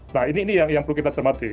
nah ini yang perlu kita cermati